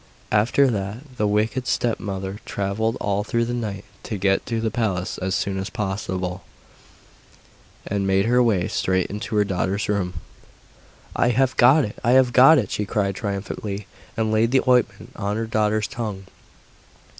After that the wicked stepmother travelled all through the night to get to the palace as soon as possible, and made her way straight into her daughter's room. 'I have got it! I have got it!' she cried triumphantly, and laid the ointment on her daughter's tongue.